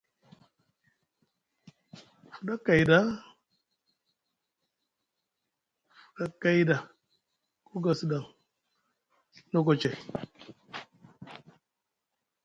Ku fuɗa kay ɗa, ku gazɗaŋ, nokocay,